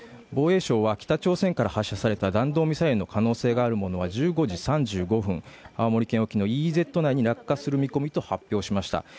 防衛省は北朝鮮から発射された弾道ミサイルの可能性があるものは１５時３５分、青森県沖のＥＥＺ内に落下する見込みと発表しました。